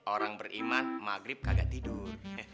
orang beriman maghrib agak tidur